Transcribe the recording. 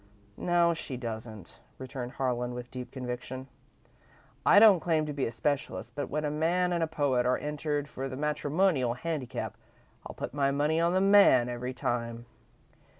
"No, she doesn't," returned Harlan, with deep conviction. "I don't claim to be a specialist, but when a man and a poet are entered for the matrimonial handicap, I'll put my money on the man, every time."